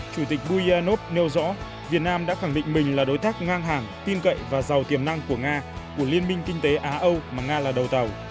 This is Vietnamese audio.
chủ tịch buyanov nêu rõ việt nam đã khẳng định mình là đối tác ngang hàng tin cậy và giàu tiềm năng của nga của liên minh kinh tế á âu mà nga là đầu tàu